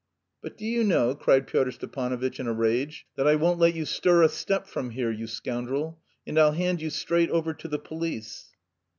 "But do you know," cried Pyotr Stepanovitch in a rage, "that I won't let you stir a step from here, you scoundrel, and I'll hand you straight over to the police."